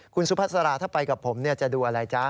คุณสุพัสราถ้าไปกับผมเนี่ยจะดูอะไรจ๊ะ